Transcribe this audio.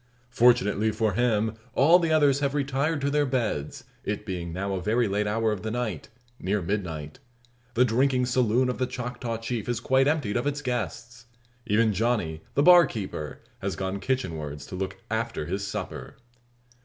Fortunately for him, all the others have retired to their beds, it being now a very late hour of the night near midnight. The drinking "saloon" of the Choctaw Chief is quite emptied of its guests. Even Johnny, the bar keeper, has gone kitchen wards to look after his supper.